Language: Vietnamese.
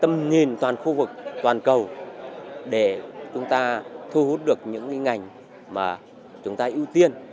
tầm nhìn toàn khu vực toàn cầu để chúng ta thu hút được những ngành mà chúng ta ưu tiên